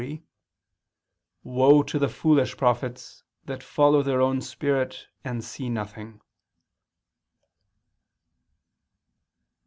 13:3): "Woe to the foolish prophets, that follow their own spirit, and see nothing."